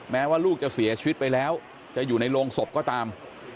แม้ว่าลูกจะเสียชีวิตไปแล้วจะอยู่ในโรงศพก็ตาม